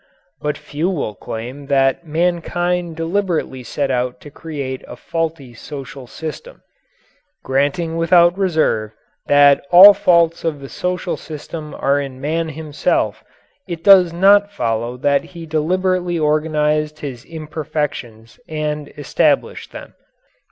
But few will claim that mankind deliberately set out to create a faulty social system. Granting without reserve that all faults of the social system are in man himself, it does not follow that he deliberately organized his imperfections and established them.